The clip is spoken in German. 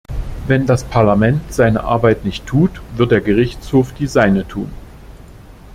Wenn das Parlament seine Arbeit nicht tut, wird der Gerichtshof die seine tun.